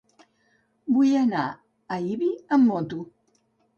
Vull anar a Ibi amb moto.